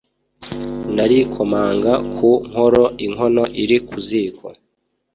Narikomanga ku nkoro inkono iri ku ziko”.